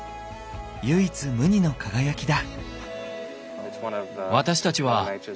唯一無二の輝きだ。